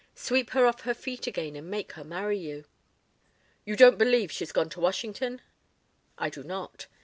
Sweep her off her feet again and make her marry you." "You don't believe she's gone to Washington?" "I do not.